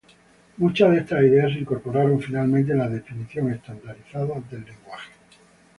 Muchas de estas ideas se incorporaron finalmente en la definición estandarizada del lenguaje.